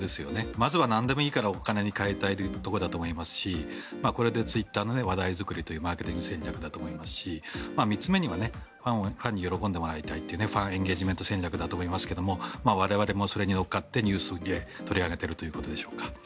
まずはなんでもいいからお金に換えたいというところだと思いますしこれでツイッターの話題作りというマーケティング戦略だと思いますし３つ目にはファンに喜んでもらいたいというファンエンゲージメント戦略だと思いますが我々もそれに乗っかってニュースで取り上げているということでしょうか。